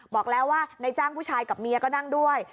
บอกแล้วว่าในจ้างผู้ชายกับเมียก็นั่งด้วย